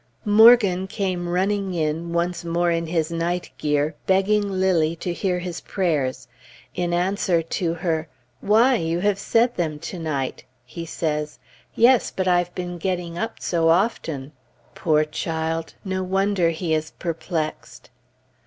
Morgan came running in, once more in his night gear, begging Lilly to hear his prayers. In answer to her "Why? You have said them to night!" he says, "Yes! but I've been getting up so often!" Poor child! no wonder he is perplexed!